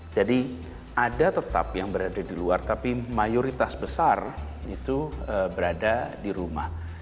jadi ada tetap yang berada di luar tapi mayoritas besar itu berada di rumah